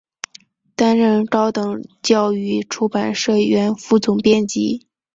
担任高等教育出版社原副总编辑。